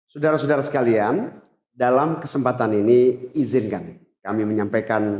saudara saudara sekalian dalam kesempatan ini izinkan kami menyampaikan